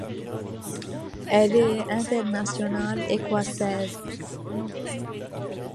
Elle est internationale écossaise.